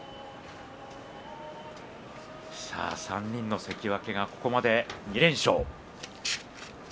３人の関脇はここまで２連勝。